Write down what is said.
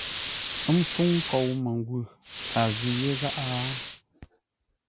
Ə́ mpfúŋ nkou məngwʉ̂, a ghʉ yé gháʼá ?